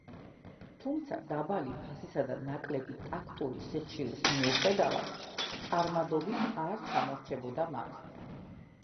თუმცა დაბალი ფასისა და ნაკლები ტაქტური სიხშირის მიუხედავად, წარმადობით არ ჩამორჩებოდა მათ.